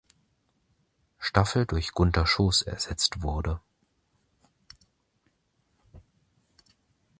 Staffel durch Gunter Schoß ersetzt wurde.